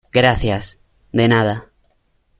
gracias. de nada .